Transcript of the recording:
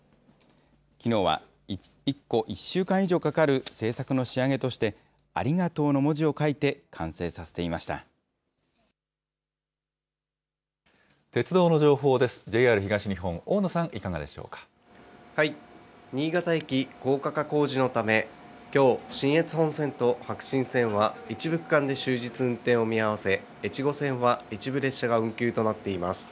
きのうは、１個１週間以上かかる制作の仕上げとして、ありがとうの文字を書いて完成させていましＪＲ東日本、大野さん、いか新潟駅高架化工事のため、きょう、信越本線と白新線は一部区間で終日運転を見合わせ、越後線は一部列車が運休となっています。